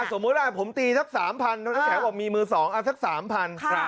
สมมติผมตีสัก๓๐๐๐พี่เบิร์ตแล้วแข็งออกมีมือสองเออสัก๓๐๐๐